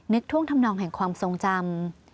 นึกท่วงธรรมนองแห่งความทรงจำ